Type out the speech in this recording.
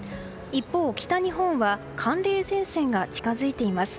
一方、北日本は寒冷前線が近づいています。